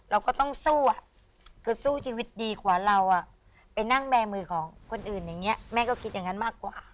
เราก็ต้องสู้อะคือสู้ชีวิตดีกว่าเราไปนั่งแบมือของคนอื่นอย่างนี้แม่ก็คิดอย่างนั้นมากกว่า